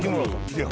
いや。